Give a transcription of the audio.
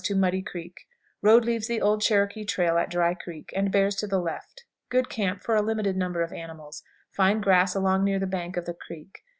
Muddy Creek. Road leaves the old Cherokee trail at Dry Creek, and bears to the left. Good camp for a limited number of animals; fine grass along near the bank of the creek.